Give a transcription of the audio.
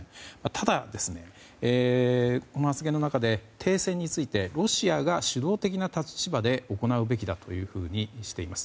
ただ、この発言の中で停戦についてロシアが主導的な立場で行うべきだというふうにしています。